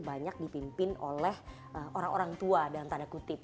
banyak dipimpin oleh orang orang tua dalam tanda kutip